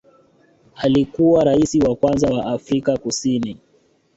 Alikuwa rais wa kwanza wa Afrika Kusini